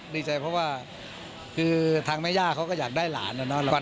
ดีใจเพราะว่าคือทางแม่ย่าเขาก็อยากได้หลานนะเนาะ